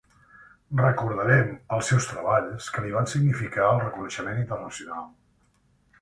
Recordarem els seus treballs que li van significar el reconeixement internacional.